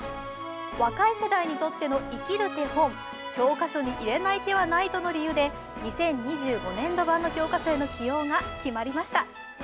若い世代にとっての生きる手本、教科書に入れない手はないとの理由で２０２５年版の教科書への起用が決まりました。